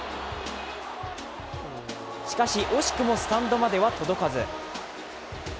しかし、惜しくもスタンドまでは届かず。